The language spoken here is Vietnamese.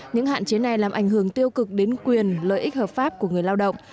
những hạn chế này làm ảnh hưởng tiêu cực đến quyền lợi ích hợp pháp của người lao động